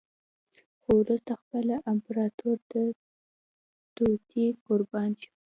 خو وروسته خپله امپراتور د توطیې قربان شو.